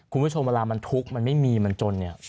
คุณผู้ชมเวลามันทุกข์มันไม่มีมันจนเนี่ย